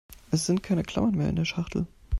Es sind keine Klammern mehr in der Schachtel.